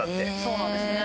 そうなんですね。